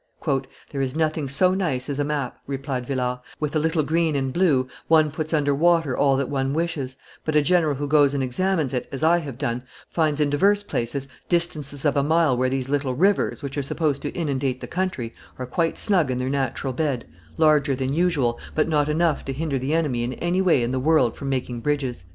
"There is nothing so nice as a map," replied Villars; "with a little green and blue one puts under water all that one wishes but a general who goes and examines it, as I have done, finds in divers places distances of a mile where these little rivers, which are supposed to inundate the country, are quite snug in their natural bed, larger than usual, but not enough to hinder the enemy in any way in the world from making bridges."